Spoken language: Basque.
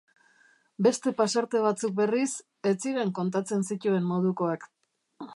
Beste pasarte batzuk, berriz, ez ziren kontatzen zituen modukoak.